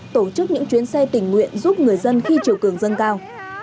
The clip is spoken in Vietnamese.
tổ chức những chuyến xe tình nguyện giúp người dân khi chiều cường dâng cao